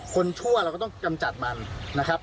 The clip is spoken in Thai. ชั่วเราก็ต้องกำจัดมันนะครับ